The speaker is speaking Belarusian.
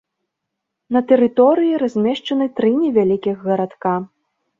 На тэрыторыі размешчаны тры невялікіх гарадка.